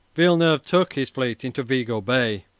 Villeneuve took his fleet into Vigo Bay.